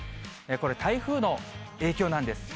これ、台風の影響なんです。